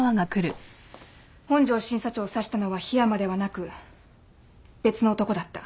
本庄審査長を刺したのは樋山ではなく別の男だった。